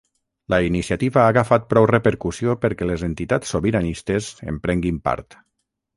La iniciativa ha agafat prou repercussió perquè les entitats sobiranistes en prenguin part.